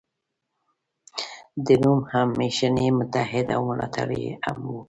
د روم همېشنی متحد او ملاتړی هم و.